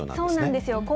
そうなんですよ。